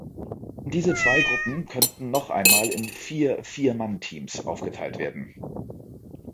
Diese zwei Gruppen könnten noch einmal in vier Vier-Mann-Teams aufgeteilt werden.